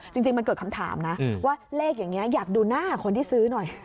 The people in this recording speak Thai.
จริงมันเกิดคำถามนะว่าเลขอย่างนี้อยากดูหน้าคนที่ซื้อหน่อย